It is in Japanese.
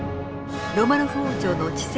ロマノフ王朝の治世